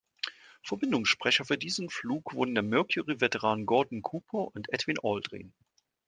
Verbindungssprecher für diesen Flug wurden der Mercury-Veteran Gordon Cooper und Edwin Aldrin.